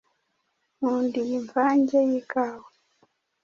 Nkunda iyi mvange yikawa.